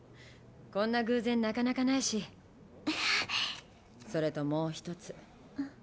こんな偶然なかなかないし、それともう一つ。